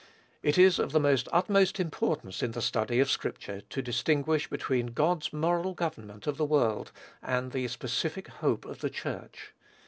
It is of the utmost importance in the study of scripture to distinguish between God's moral government of the world, and the specific hope of the Church.